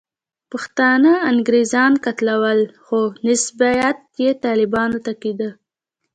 پښتانه انګریزانو قتلول، خو نسبیت یې طالبانو ته کېدلو.